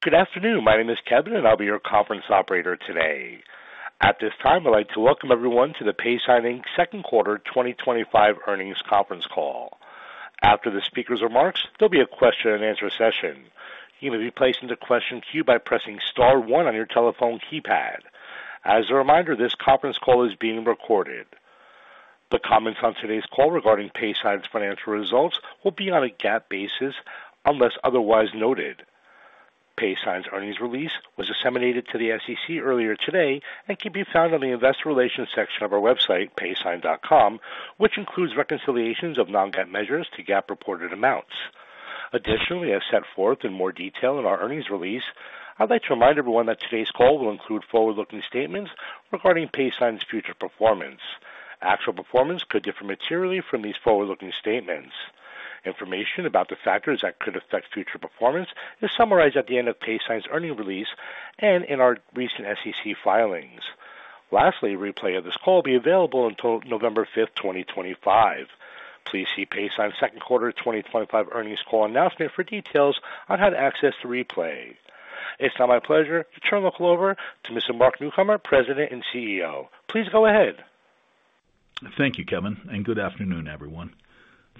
Good afternoon. My name is Kevin, and I'll be your conference operator today. At this time, I'd like to welcome everyone to the Paysign, Inc. Second Quarter 2025 Earnings Conference Call. After the speaker's remarks, there'll be a question-and-answer session. You may be placed into question queue by pressing star one on your telephone keypad. As a reminder, this conference call is being recorded. The comments on today's call regarding Paysign's financial results will be on a GAAP basis unless otherwise noted. Paysign's earnings release was disseminated to the SEC earlier today and can be found on the Investor Relations section of our website, paysign.com, which includes reconciliations of non-GAAP measures to GAAP reported amounts. Additionally, as set forth in more detail in our earnings release, I'd like to remind everyone that today's call will include forward-looking statements regarding Paysign's future performance. Actual performance could differ materially from these forward-looking statements. Information about the factors that could affect future performance is summarized at the end of Paysign's earnings release and in our recent SEC filings. Lastly, a replay of this call will be available until November 5, 2025. Please see Paysign's second quarter 2025 earnings call announcement for details on how to access the replay. It's now my pleasure to turn the call over to Mr. Mark Newcomer, President and CEO. Please go ahead. Thank you, Kevin, and good afternoon, everyone.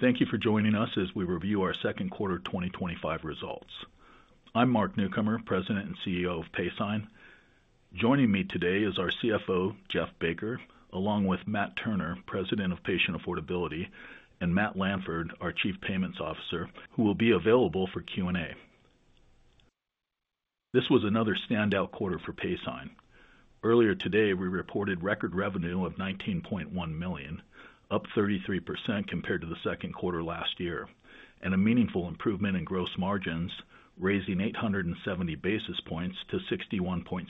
Thank you for joining us as we review our second quarter 2025 results. I'm Mark Newcomer, President and CEO of Paysign. Joining me today is our CFO, Jeff Baker, along with Matt Turner, President of Patient Affordability, and Matt Lanford, our Chief Payments Officer, who will be available for Q&A. This was another standout quarter for Paysign. Earlier today, we reported record revenue of $19.1 million, up 33% compared to the second quarter last year, and a meaningful improvement in gross margins, raising 870 basis points to 61.6%.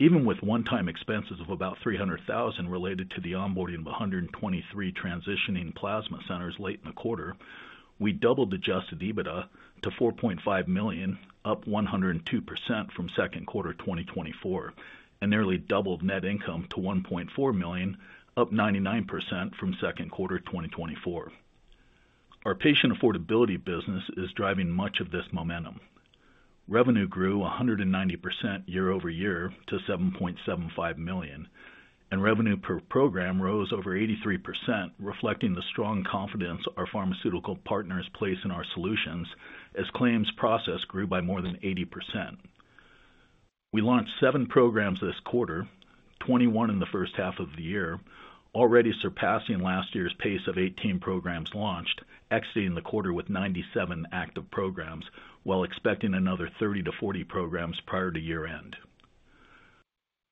Even with one-time expenses of about $300,000 related to the onboarding of 123 transitioning plasma centers late in the quarter, we doubled adjusted EBITDA to $4.5 million, up 102% from second quarter 2024, and nearly doubled net income to $1.4 million, up 99% from second quarter 2024. Our patient affordability business is driving much of this momentum. Revenue grew 190% year-over-year to $7.75 million, and revenue per program rose over 83%, reflecting the strong confidence our pharmaceutical partners place in our solutions, as claims process grew by more than 80%. We launched seven programs this quarter, 21 in the first half of the year, already surpassing last year's pace of 18 programs launched, exiting the quarter with 97 active programs, while expecting another 30-40 programs prior to year end.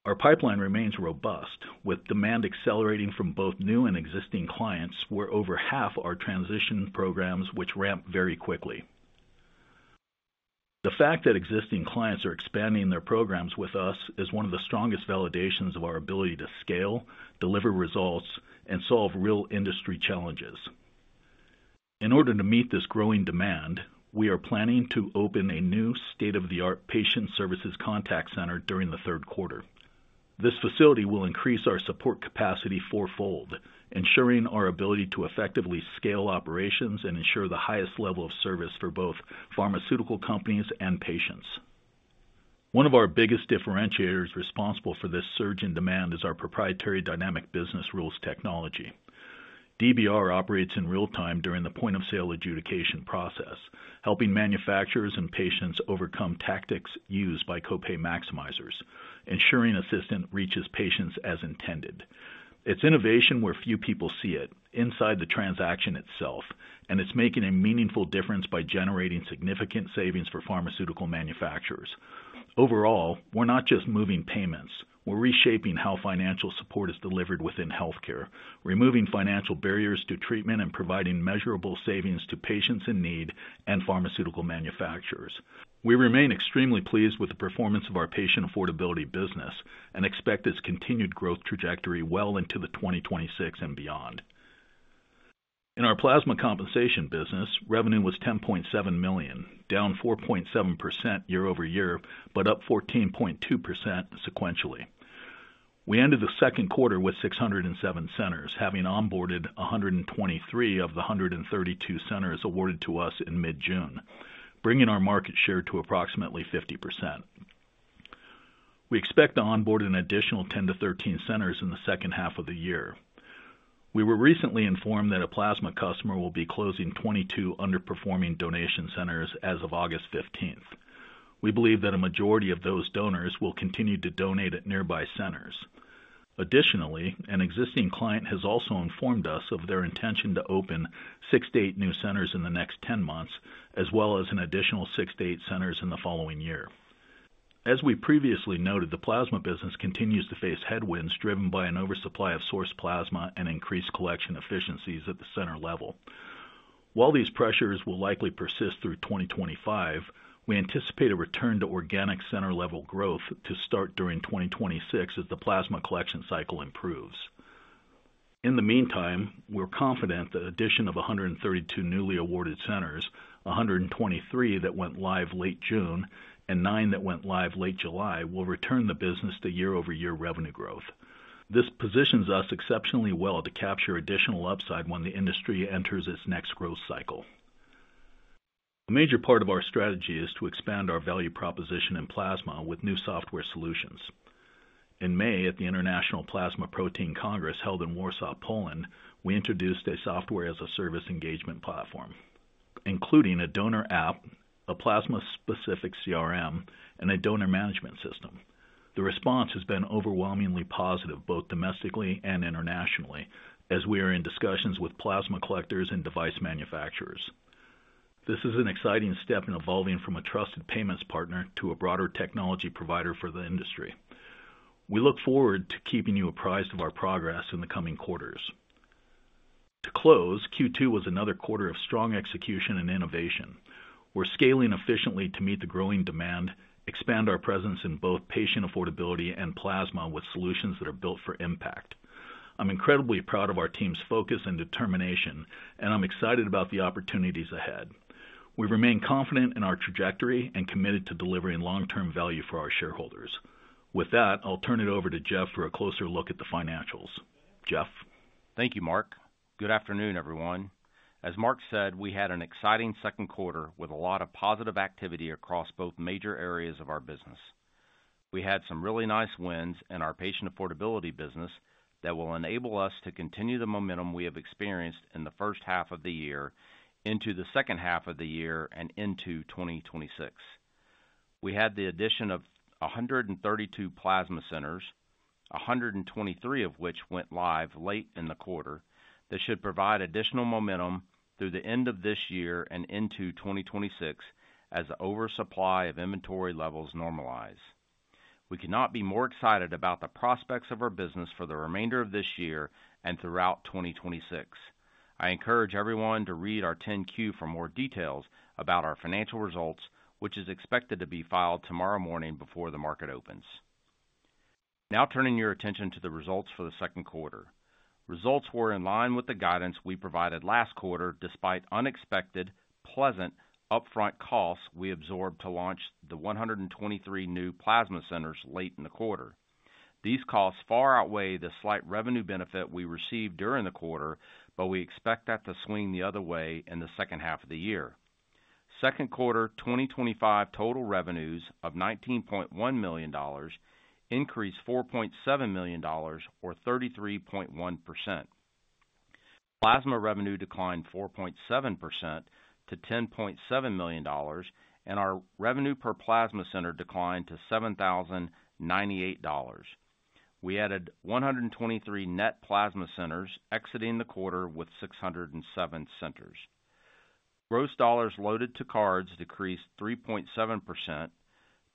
Our pipeline remains robust, with demand accelerating from both new and existing clients, where over half are transition programs, which ramp very quickly. The fact that existing clients are expanding their programs with us is one of the strongest validations of our ability to scale, deliver results, and solve real industry challenges. In order to meet this growing demand, we are planning to open a new state-of-the-art patient services contact center during the third quarter. This facility will increase our support capacity fourfold, ensuring our ability to effectively scale operations and ensure the highest level of service for both pharmaceutical companies and patients. One of our biggest differentiators responsible for this surge in demand is our proprietary Dynamic Business Rules technology. DBR operates in real time during the point-of-sale adjudication process, helping manufacturers and patients overcome tactics used by copay maximizers, ensuring assistance reaches patients as intended. It's innovation where few people see it, inside the transaction itself, and it's making a meaningful difference by generating significant savings for pharmaceutical manufacturers. Overall, we're not just moving payments; we're reshaping how financial support is delivered within healthcare, removing financial barriers to treatment, and providing measurable savings to patients in need and pharmaceutical manufacturers. We remain extremely pleased with the performance of our patient affordability business and expect its continued growth trajectory well into 2026 and beyond. In our plasma compensation business, revenue was $10.7 million, down 4.7% year-over-year, but up 14.2% sequentially. We ended the second quarter with 607 centers, having onboarded 123 of the 132 centers awarded to us in mid-June, bringing our market share to approximately 50%. We expect to onboard an additional 10 to 13 centers in the second half of the year. We were recently informed that a plasma customer will be closing 22 underperforming donation centers as of August 15th. We believe that a majority of those donors will continue to donate at nearby centers. Additionally, an existing client has also informed us of their intention to open six to eight new centers in the next 10 months, as well as an additional six to eight centers in the following year. As we previously noted, the plasma business continues to face headwinds driven by an oversupply of source plasma and increased collection efficiencies at the center level. While these pressures will likely persist through 2025, we anticipate a return to organic center-level growth to start during 2026 as the plasma collection cycle improves. In the meantime, we're confident that the addition of 132 newly awarded centers, 123 that went live late June and nine that went live late July, will return the business to year-over-year revenue growth. This positions us exceptionally well to capture additional upside when the industry enters its next growth cycle. A major part of our strategy is to expand our value proposition in plasma with new software solutions. In May, at the International Plasma Protein Congress held in Warsaw, Poland, we introduced a software-as-a-service engagement platform, including a donor app, a plasma-specific CRM, and a donor management system. The response has been overwhelmingly positive, both domestically and internationally, as we are in discussions with plasma collectors and device manufacturers. This is an exciting step in evolving from a trusted payments partner to a broader technology provider for the industry. We look forward to keeping you apprised of our progress in the coming quarters. To close, Q2 was another quarter of strong execution and innovation. We're scaling efficiently to meet the growing demand, expand our presence in both patient affordability and plasma with solutions that are built for impact. I'm incredibly proud of our team's focus and determination, and I'm excited about the opportunities ahead. We remain confident in our trajectory and committed to delivering long-term value for our shareholders. With that, I'll turn it over to Jeff for a closer look at the financials. Jeff? Thank you, Mark. Good afternoon, everyone. As Mark said, we had an exciting second quarter with a lot of positive activity across both major areas of our business. We had some really nice wins in our patient affordability business that will enable us to continue the momentum we have experienced in the first half of the year, into the second half of the year, and into 2026. We had the addition of 132 plasma centers, 123 of which went live late in the quarter, that should provide additional momentum through the end of this year and into 2026 as the oversupply of inventory levels normalize. We cannot be more excited about the prospects of our business for the remainder of this year and throughout 2026. I encourage everyone to read our 10-Q for more details about our financial results, which is expected to be filed tomorrow morning before the market opens. Now turning your attention to the results for the second quarter. Results were in line with the guidance we provided last quarter, despite unexpected, pleasant, upfront costs we absorbed to launch the 123 new plasma centers late in the quarter. These costs far outweigh the slight revenue benefit we received during the quarter, but we expect that to swing the other way in the second half of the year. Second quarter 2025 total revenues of $19.1 million increased $4.7 million, or 33.1%. Plasma revenue declined 4.7% to $10.7 million, and our revenue per plasma center declined to $7,098. We added 123 net plasma centers, exiting the quarter with 607 centers. Gross dollars loaded to cards decreased 3.7%,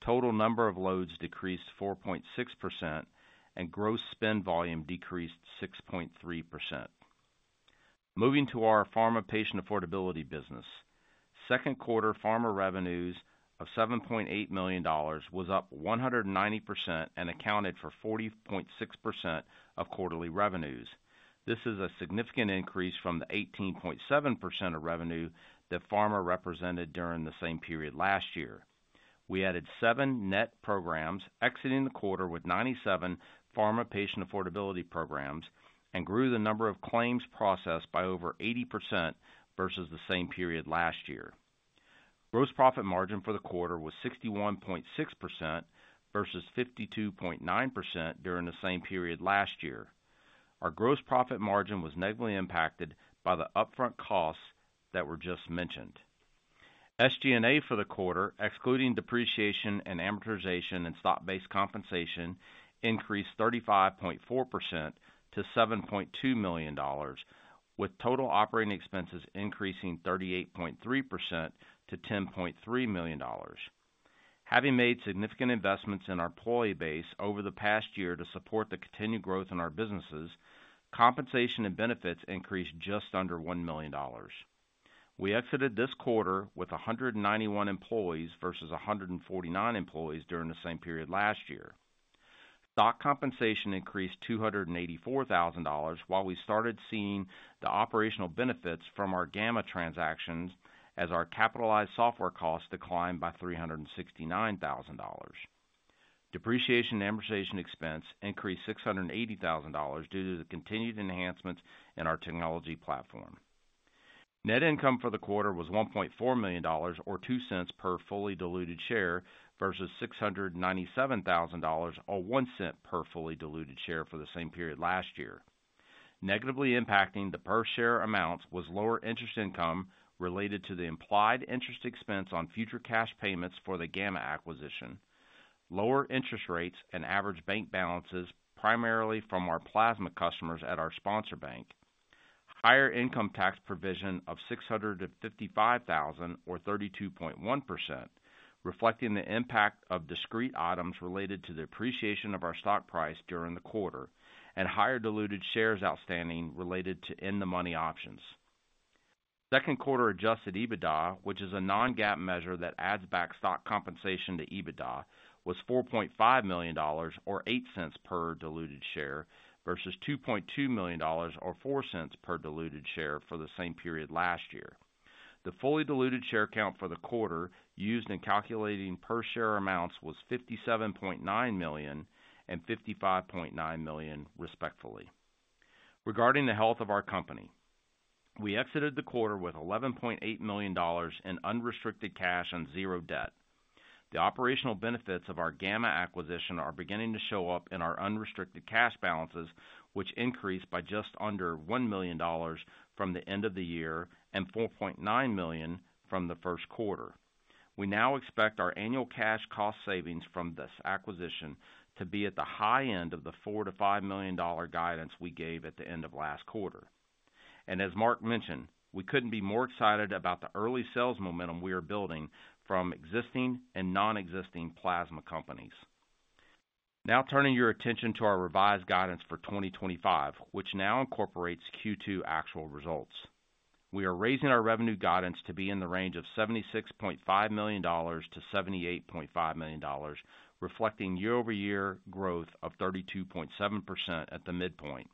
total number of loads decreased 4.6%, and gross spend volume decreased 6.3%. Moving to our pharma patient affordability business. Second quarter pharma revenues of $7.8 million was up 190% and accounted for 40.6% of quarterly revenues. This is a significant increase from the 18.7% of revenue that pharma represented during the same period last year. We added seven net programs, exiting the quarter with 97 pharma patient affordability programs, and grew the number of claims processed by over 80% versus the same period last year. Gross profit margin for the quarter was 61.6% versus 52.9% during the same period last year. Our gross profit margin was negatively impacted by the upfront costs that were just mentioned. SG&A for the quarter, excluding depreciation and amortization and stock-based compensation, increased 35.4% to $7.2 million, with total operating expenses increasing 38.3% to $10.3 million. Having made significant investments in our employee base over the past year to support the continued growth in our businesses, compensation and benefits increased just under $1 million. We exited this quarter with 191 employees versus 149 employees during the same period last year. Stock compensation increased $284,000 while we started seeing the operational benefits from our gamma transactions as our capitalized software costs declined by $369,000. Depreciation and amortization expense increased $680,000 due to the continued enhancements in our technology platform. Net income for the quarter was $1.4 million, or $0.02 per fully diluted share, versus $697,000, or $0.01 per fully diluted share for the same period last year. Negatively impacting the per share amounts was lower interest income related to the implied interest expense on future cash payments for the gamma acquisition, lower interest rates and average bank balances, primarily from our plasma customers at our sponsor bank, higher income tax provision of $655,000, or 32.1%, reflecting the impact of discrete items related to the appreciation of our stock price during the quarter, and higher diluted shares outstanding related to in-the-money options. Second quarter adjusted EBITDA, which is a non-GAAP measure that adds back stock compensation to EBITDA, was $4.5 million, or $0.08 per diluted share, versus $2.2 million, or $0.04 per diluted share for the same period last year. The fully diluted share count for the quarter used in calculating per share amounts was $57.9 million and $55.9 million, respectively. Regarding the health of our company, we exited the quarter with $11.8 million in unrestricted cash and zero debt. The operational benefits of our gamma acquisition are beginning to show up in our unrestricted cash balances, which increased by just under $1 million from the end of the year and $4.9 million from the first quarter. We now expect our annual cash cost savings from this acquisition to be at the high end of the $4 million-$5 million guidance we gave at the end of last quarter. As Mark mentioned, we couldn't be more excited about the early sales momentum we are building from existing and non-existing plasma companies. Now turning your attention to our revised guidance for 2025, which now incorporates Q2 actual results. We are raising our revenue guidance to be in the range of $76.5 million-$78.5 million, reflecting year-over-year growth of 32.7% at the midpoint.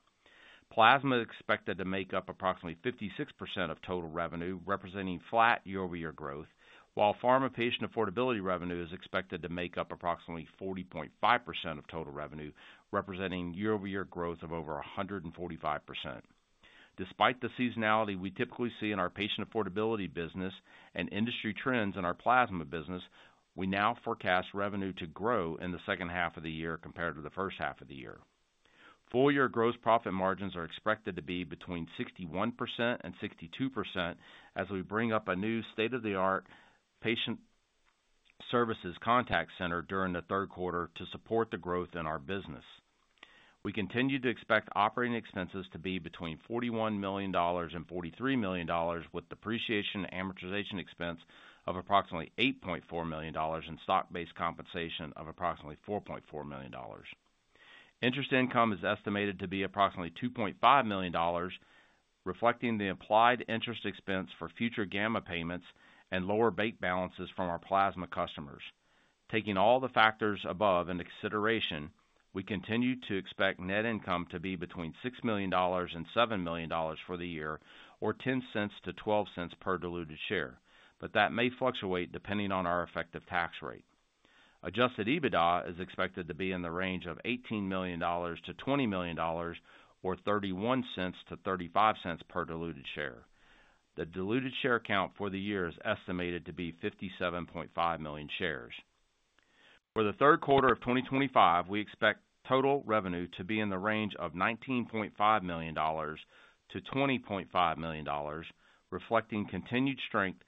Plasma is expected to make up approximately 56% of total revenue, representing flat year-over-year growth, while pharma patient affordability revenue is expected to make up approximately 40.5% of total revenue, representing year-over-year growth of over 145%. Despite the seasonality we typically see in our patient affordability business and industry trends in our plasma business, we now forecast revenue to grow in the second half of the year compared to the first half of the year. Full-year gross profit margins are expected to be between 61% and 62% as we bring up a new state-of-the-art patient services contact center during the third quarter to support the growth in our business. We continue to expect operating expenses to be between $41 million and $43 million, with depreciation and amortization expense of approximately $8.4 million and stock-based compensation of approximately $4.4 million. Interest income is estimated to be approximately $2.5 million, reflecting the implied interest expense for future gamma payments and lower bank balances from our plasma customers. Taking all the factors above into consideration, we continue to expect net income to be between $6 million and $7 million for the year, or $0.10-$0.12 per diluted share, but that may fluctuate depending on our effective tax rate. Adjusted EBITDA is expected to be in the range of $18 million-$20 million, or $0.31-$0.35 per diluted share. The diluted share count for the year is estimated to be $57.5 million shares. For the third quarter of 2025, we expect total revenue to be in the range of $19.5 million-$20.5 million, reflecting continued strength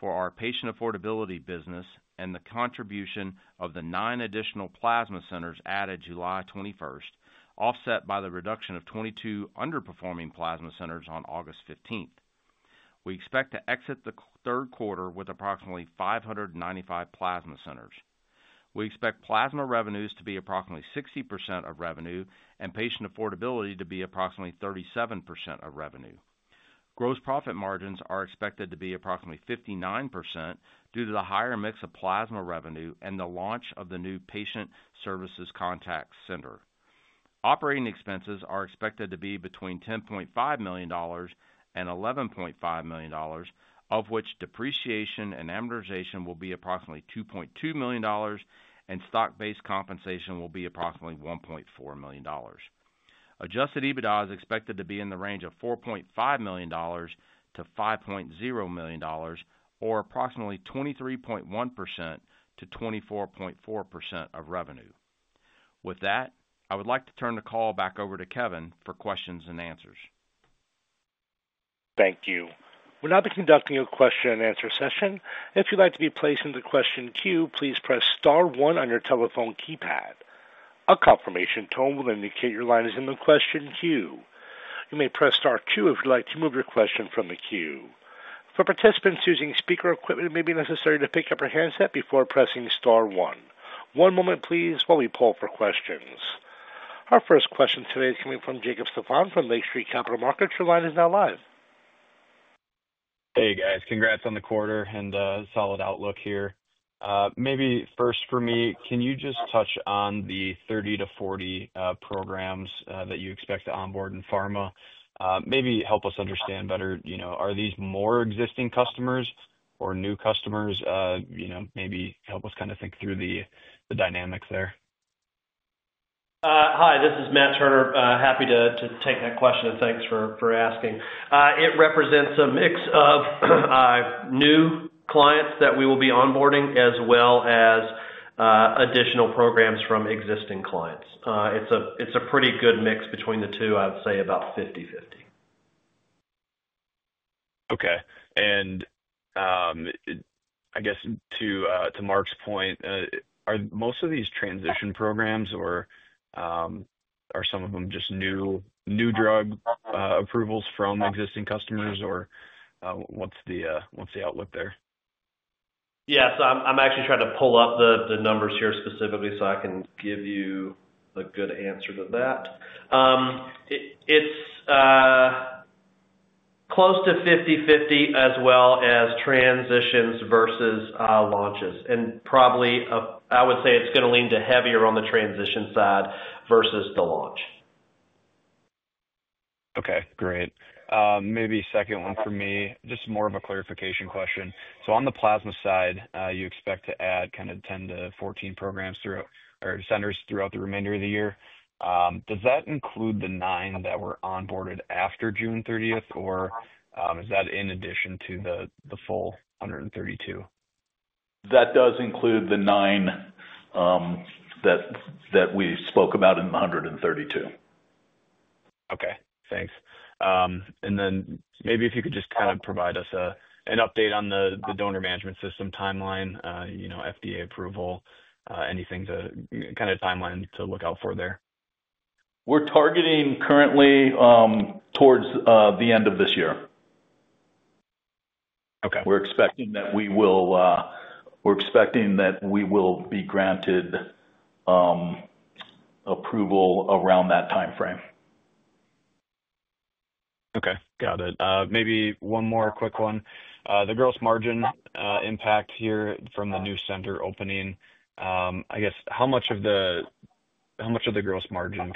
for our patient affordability business and the contribution of the nine additional plasma centers added July 21st, offset by the reduction of 22 underperforming plasma centers on August 15th. We expect to exit the third quarter with approximately 595 plasma centers. We expect plasma revenues to be approximately 60% of revenue and patient affordability to be approximately 37% of revenue. Gross profit margins are expected to be approximately 59% due to the higher mix of plasma revenue and the launch of the new patient services contact center. Operating expenses are expected to be between $10.5 million and $11.5 million, of which depreciation and amortization will be approximately $2.2 million, and stock-based compensation will be approximately $1.4 million. Adjusted EBITDA is expected to be in the range of $4.5 million-$5.0 million, or approximately 23.1%-24.4% of revenue. With that, I would like to turn the call back over to Kevin for questions and answers. Thank you. We'll now be conducting a question-and-answer session. If you'd like to be placed into the question queue, please press star one on your telephone keypad. A confirmation tone will indicate your line is in the question queue. You may press star two if you'd like to remove your question from the queue. For participants using speaker equipment, it may be necessary to pick up your handset before pressing star one. One moment, please, while we poll for questions. Our first question today is coming from Jacob Stephan from Lake Street Capital Markets. Your line is now live. Hey, guys. Congrats on the quarter and a solid outlook here. Maybe first for me, can you just touch on the 30-40 programs that you expect to onboard in pharma? Maybe help us understand better, you know, are these more existing customers or new customers? You know, maybe help us kind of think through the dynamics there. Hi, this is Matt Turner. Happy to take that question, and thanks for asking. It represents a mix of new clients that we will be onboarding, as well as additional programs from existing clients. It's a pretty good mix between the two. I would say about 50/50. Okay. To Mark's point, are most of these transition programs, or are some of them just new drug approvals from existing customers, or what's the outlook there? I'm actually trying to pull up the numbers here specifically so I can give you a good answer to that. It's close to 50/50, as well as transitions versus launches. I would say it's going to lean heavier on the transition side versus the launch. Okay, great. Maybe a second one for me, just more of a clarification question. On the plasma side, you expect to add kind of 10-14 programs or centers throughout the remainder of the year. Does that include the nine that were onboarded after June 30th, or is that in addition to the full 132? That does include the nine that we spoke about in the 132. Okay, thanks. Maybe if you could just kind of provide us an update on the donor management system timeline, you know, FDA approval, anything to kind of timeline to look out for there. We're targeting currently toward the end of this year. Okay. We're expecting that we will be granted approval around that timeframe. Okay, got it. Maybe one more quick one. The gross margin impact here from the new center opening, I guess, how much of the gross margin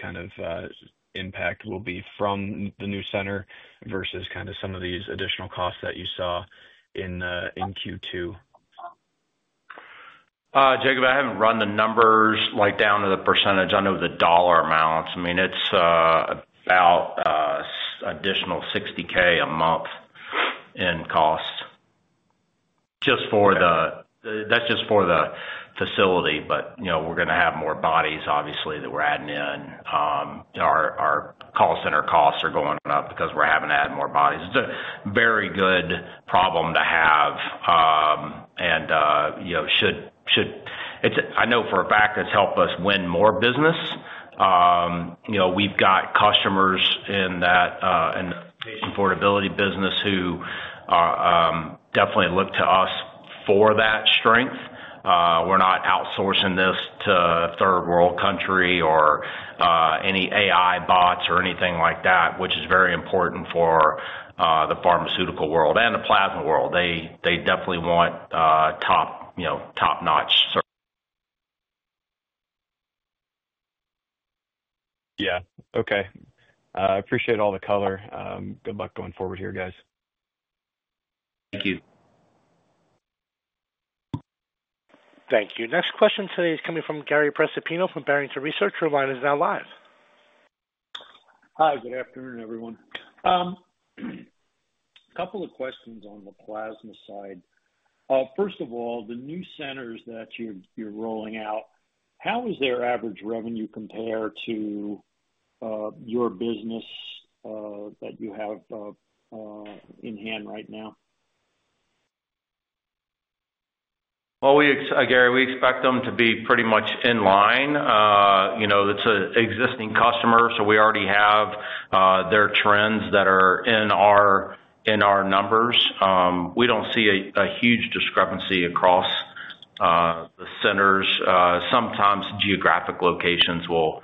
impact will be from the new center versus some of these additional costs that you saw in Q2? Jacob, I haven't run the numbers like down to the percentage under the dollar amounts. I mean, it's about an additional $60,000 a month in costs. Just for the, that's just for the facility, but we're going to have more bodies, obviously, that we're adding in. Our call center costs are going up because we're having to add more bodies. It's a very good problem to have. I know for a fact that's helped us win more business. We've got customers in the patient affordability business who definitely look to us for that strength. We're not outsourcing this to a third-world country or any AI bots or anything like that, which is very important for the pharmaceutical world and the plasma world. They definitely want top, you know, top-notch. Yeah, okay. I appreciate all the color. Good luck going forward here, guys. Thank you. Thank you. Next question today is coming from Gary Prestopino from Barrington Research. Your line is now live. Hi, good afternoon, everyone. A couple of questions on the plasma side. First of all, the new centers that you're rolling out, how is their average revenue compared to your business that you have in hand right now? Gary, we expect them to be pretty much in line. You know, it's an existing customer, so we already have their trends that are in our numbers. We don't see a huge discrepancy across the centers. Sometimes geographic locations will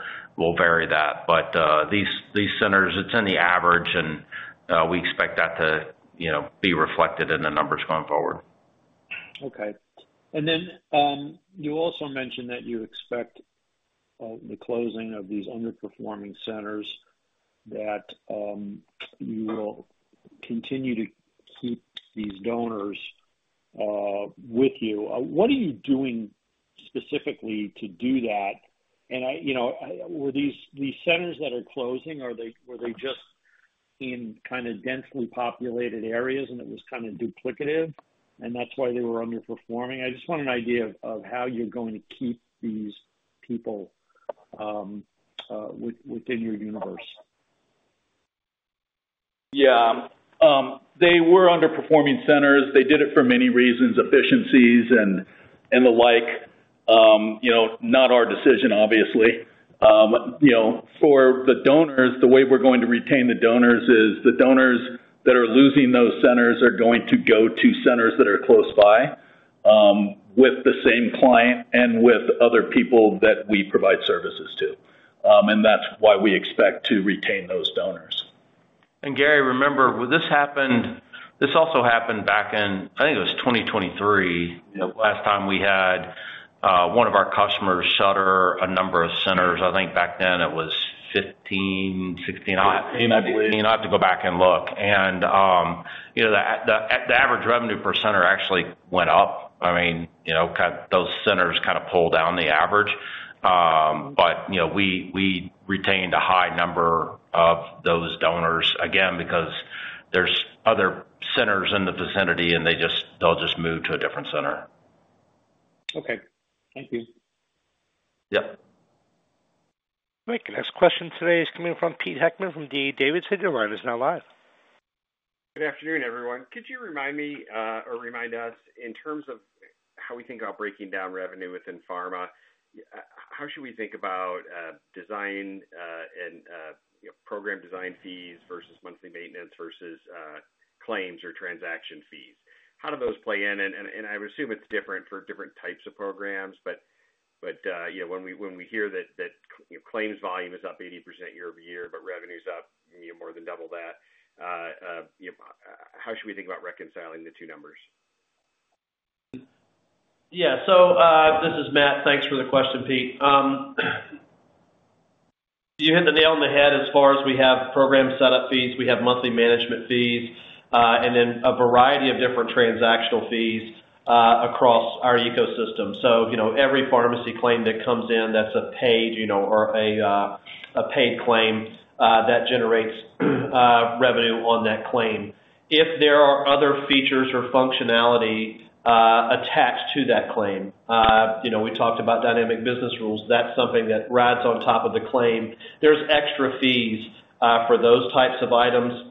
vary that, but these centers, it's in the average, and we expect that to, you know, be reflected in the numbers going forward. Okay. You also mentioned that you expect the closing of these underperforming centers, that you will continue to keep these donors with you. What are you doing specifically to do that? Were these centers that are closing, or were they just in kind of densely populated areas and it was kind of duplicative, and that's why they were underperforming? I just want an idea of how you're going to keep these people within your universe. Yeah. They were underperforming centers. They did it for many reasons, efficiencies and the like. Not our decision, obviously. For the donors, the way we're going to retain the donors is the donors that are losing those centers are going to go to centers that are close by with the same client and with other people that we provide services to. That's why we expect to retain those donors. Gary, remember, this happened back in, I think it was 2023. Last time we had one of our customers shutter a number of centers. I think back then it was 15, 16, I believe. I have to go back and look. You know, the average revenue per center actually went up. You know, those centers kind of pulled down the average. You know, we retained a high number of those donors again because there's other centers in the vicinity and they'll just move to a different center. Okay, thank you. Yep. All right. Next question today is coming from Peter Heckmann from D.A. Davidson. Your line is now live. Good afternoon, everyone. Could you remind me or remind us in terms of how we think about breaking down revenue within pharma? How should we think about design and program design fees versus monthly maintenance versus claims or transaction fees? How do those play in? I would assume it's different for different types of programs, but you know, when we hear that claims volume is up 80% year-over-year, but revenue is up more than double that, how should we think about reconciling the two numbers? Yeah, this is Matt. Thanks for the question, Pete. You hit the nail on the head as far as we have program setup fees, we have monthly management fees, and then a variety of different transactional fees across our ecosystem. Every pharmacy claim that comes in, that's a paid, or a paid claim that generates revenue on that claim. If there are other features or functionality attached to that claim, we talked about Dynamic Business Rules. That's something that rides on top of the claim. There are extra fees for those types of items.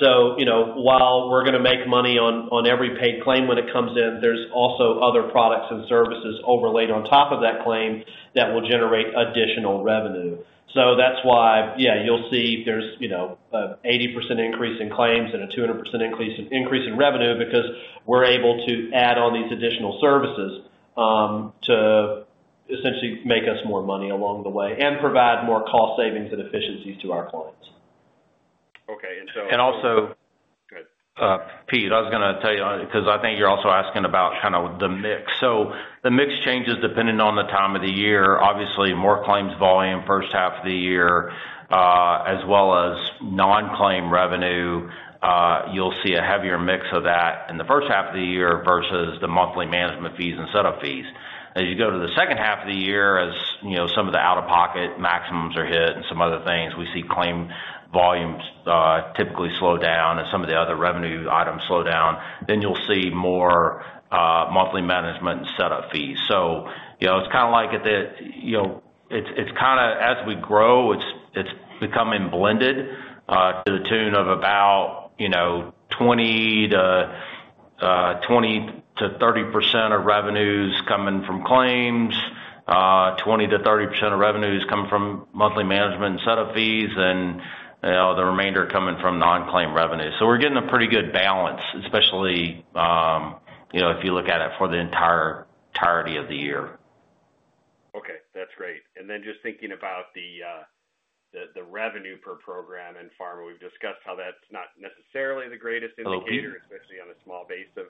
While we're going to make money on every paid claim when it comes in, there are also other products and services overlaid on top of that claim that will generate additional revenue. That's why you'll see there's an 80% increase in claims and a 200% increase in revenue because we're able to add on these additional services to essentially make us more money along the way and provide more cost savings and efficiencies to our clients. Okay, and so. And also. Go ahead. Pete, I was going to tell you because I think you're also asking about kind of the mix. The mix changes depending on the time of the year. Obviously, more claims volume first half of the year, as well as non-claim revenue. You'll see a heavier mix of that in the first half of the year versus the monthly management fees and setup fees. As you go to the second half of the year, as you know, some of the out-of-pocket maximums are hit and some other things, we see claim volumes typically slow down as some of the other revenue items slow down. You'll see more monthly management and setup fees. It's kind of as we grow, it's becoming blended to the tune of about 20% to 30% of revenues coming from claims, 20% to 30% of revenues coming from monthly management and setup fees, and the remainder coming from non-claim revenue. We're getting a pretty good balance, especially if you look at it for the entirety of the year. Okay, that's great. Just thinking about the revenue per program in pharma, we've discussed how that's not necessarily the greatest indicator, especially on a small base of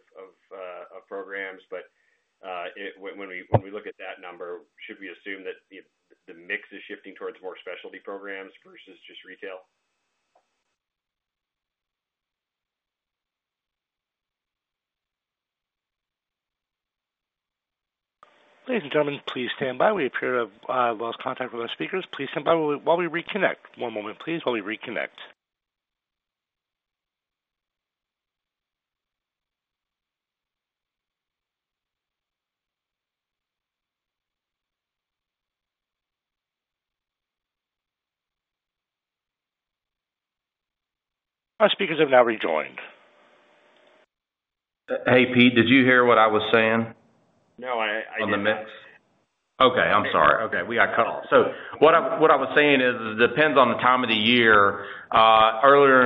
programs. When we look at that number, should we assume that the mix is shifting towards more specialty programs versus just retail? Ladies and gentlemen, please stand by. We appear to have lost contact with our speakers. Please stand by while we reconnect. One moment, please, while we reconnect. Our speakers have now rejoined. Hey, Pete, did you hear what I was saying? No, I didn't. On the mix? Okay, I'm sorry. Okay, we got cut off. What I was saying is it depends on the time of the year. Earlier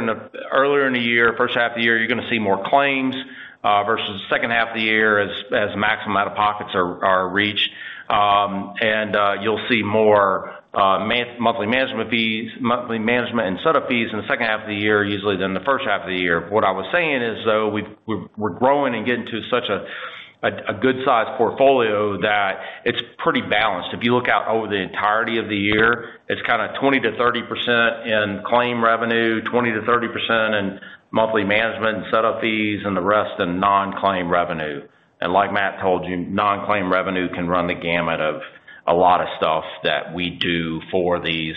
in the year, first half of the year, you're going to see more claims versus the second half of the year as maximum out-of-pockets are reached. You'll see more monthly management fees, monthly management and setup fees in the second half of the year usually than the first half of the year. What I was saying is, though, we're growing and getting to such a good size portfolio that it's pretty balanced. If you look out over the entirety of the year, it's kind of 20% to 30% in claim revenue, 20% to 30% in monthly management and setup fees, and the rest in non-claim revenue. Like Matt told you, non-claim revenue can run the gamut of a lot of stuff that we do for these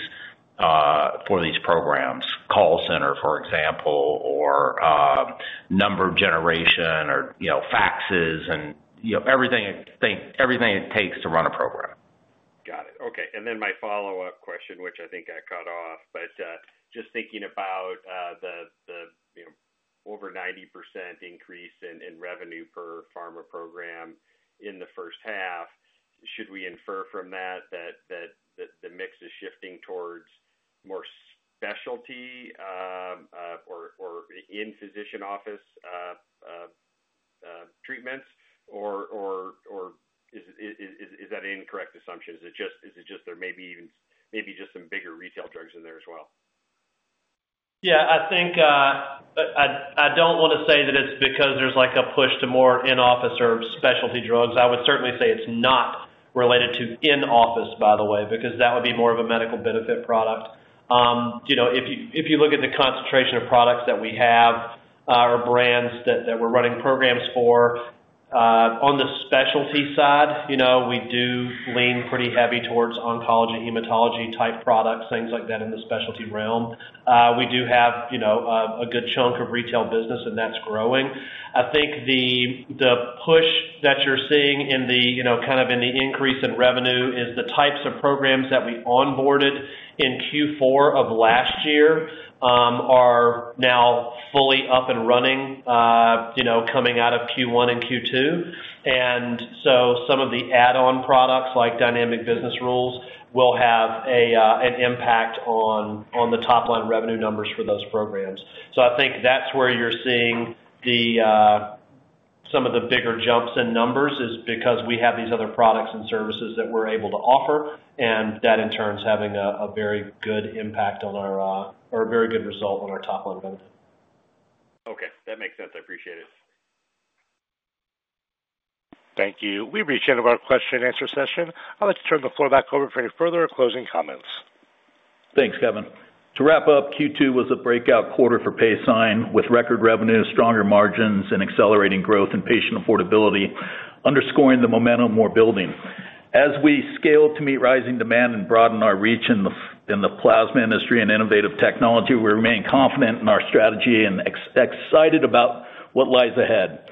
programs. Call center, for example, or number generation or, you know, faxes and, you know, everything it takes to run a program. Got it. Okay. My follow-up question, which I think got cut off, just thinking about the over 90% increase in revenue per pharma program in the first half, should we infer from that that the mix is shifting towards more specialty or in-physician office treatments? Is that an incorrect assumption? Is it just there may be even maybe just some bigger retail drugs in there as well? Yeah, I think I don't want to say that it's because there's like a push to more in-office or specialty drugs. I would certainly say it's not related to in-office, by the way, because that would be more of a medical benefit product. If you look at the concentration of products that we have or brands that we're running programs for on the specialty side, we do lean pretty heavy towards oncology, hematology type products, things like that in the specialty realm. We do have a good chunk of retail business, and that's growing. I think the push that you're seeing in the increase in revenue is the types of programs that we onboarded in Q4 of last year are now fully up and running, coming out of Q1 and Q2. Some of the add-on products like Dynamic Business Rules will have an impact on the top line revenue numbers for those programs. I think that's where you're seeing some of the bigger jumps in numbers is because we have these other products and services that we're able to offer. That in turn is having a very good impact on our or a very good result on our top line revenue. Okay, that makes sense. I appreciate it. Thank you. We appreciate a lot of question-and-answer session. I'd like to turn the floor back over for any further or closing comments. Thanks, Kevin. To wrap up, Q2 was a breakout quarter for Paysign with record revenue, stronger margins, and accelerating growth in patient affordability, underscoring the momentum we're building. As we scale to meet rising demand and broaden our reach in the plasma industry and innovative technology, we remain confident in our strategy and excited about what lies ahead.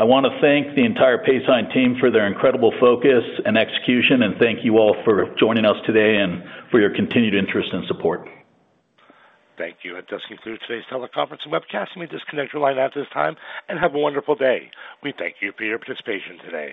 I want to thank the entire Paysign team for their incredible focus and execution, and thank you all for joining us today and for your continued interest and support. Thank you. That does conclude today's teleconference and webcast. You may disconnect your line at this time and have a wonderful day. We thank you for your participation today.